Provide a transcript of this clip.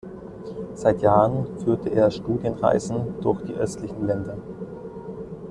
Seit Jahren führt er Studienreisen durch die östlichen Länder.